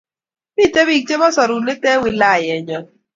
Mito biik chebo sorunot eng' wilayenyo.